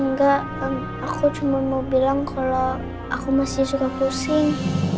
enggak aku cuma mau bilang kalau aku masih suka pusing